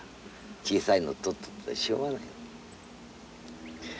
小さいの取っとってもしょうがない。